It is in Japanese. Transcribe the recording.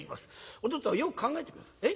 お父っつぁんよく考えて下さい。